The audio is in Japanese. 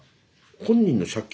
本人の借金？